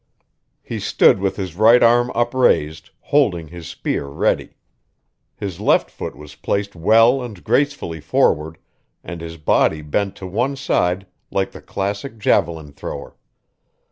He stood with his right arm upraised, holding his spear ready. His left foot was placed well and gracefully forward, and his body bent to one side like the classic javelin thrower.